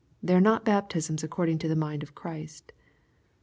They are not baptisms according to the mind of Christ.